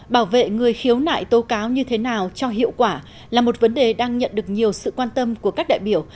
bảo vệ người khiếu nại tố cáo như thế nào cho hiệu quả là một vấn đề đang nhận được nhiều sự quan tâm của các đại biểu